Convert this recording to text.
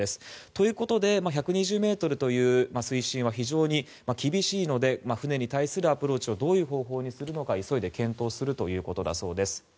ということで１２０ｍという水深は非常に厳しいので船に対するアプローチをどういう方法にするのか急いで検討するということです。